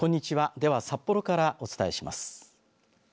では、札幌からお伝えします。